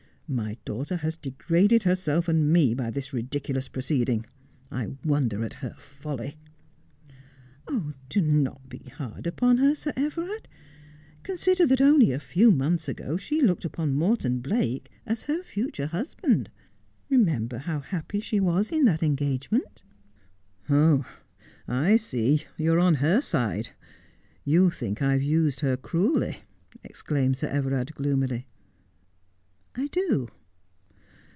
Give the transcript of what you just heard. My daughter has degraded herself and me by this ridiculous proceeding. I wonder at her folly.' 'Do not be hard upon her, Sir Everard. Consider that only a few months ago she looked upon Morton Blake as her future husband. Jtcmember how happy she was in that engagement.' Never Again. 211 ' Oh, I see, you are on her side. You think I have used her cruelly,' exclaimed Sir Everard gloomily. ' I do.'